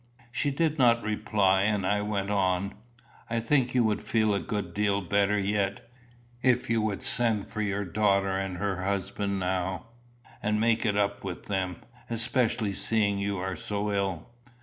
She did not reply, and I went on: "I think you would feel a good deal better yet, if you would send for your daughter and her husband now, and make it up with them, especially seeing you are so ill."